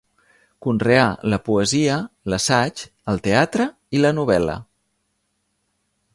Conreà la poesia, l'assaig, el teatre i la novel·la.